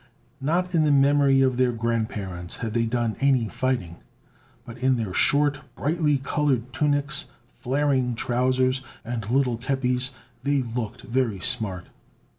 Not in the memory of their grandparents had they done any fighting, but in their short, brightly colored tunics, flaring trousers and little kepis they looked very smart.